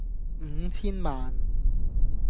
五千萬